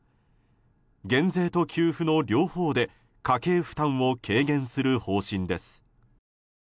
減税と給付の両方で家計負担を軽減する方針です。